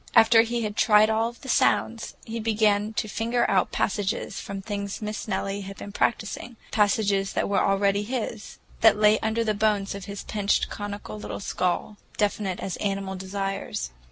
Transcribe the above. After he had tried over all the sounds, he began to finger out passages from things Miss Nellie had been practicing, passages that were already his, that lay under the bones of his pinched, conical little skull, definite as animal desires.